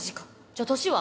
じゃあ年は？